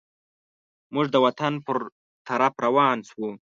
موږ د وطن پر طرف روان سوو.